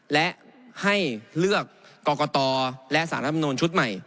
และให้เลือกกรกตและสารรัฐมนุนชุดใหม่